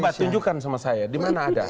coba tunjukkan sama saya di mana ada